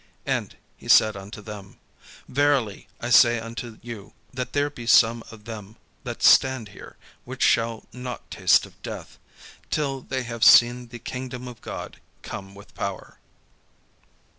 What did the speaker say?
And he said unto them: "Verily I say unto you. That there be some of them that stand here, which shall not taste of death, till they have seen the kingdom of God come with power."